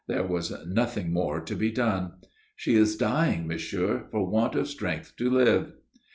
There was nothing more to be done. "She is dying, monsieur, for want of strength to live."